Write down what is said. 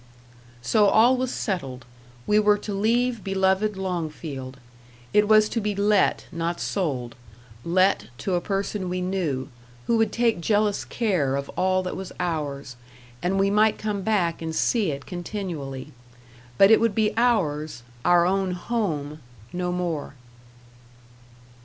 So all was settled we were to leave beloved Longfield. It was to be let, not sold; let to a person we knew, who would take jealous care of all that was ours, and we might come back and see it continually; but it would be ours our own home no more.